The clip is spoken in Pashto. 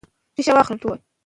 سپورت د عضلاتو جوړولو لاره ده.